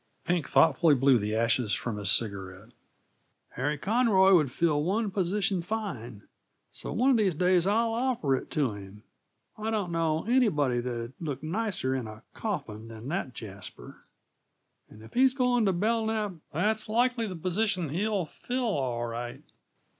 Pink thoughtfully blew the ashes from his cigarette. "Harry Conroy would fill one position fine. So one uh these days I'll offer it to him. I don't know anybody that'd look nicer in a coffin than that jasper and if he's gone t' Belknap, that's likely the position he'll fill, all right."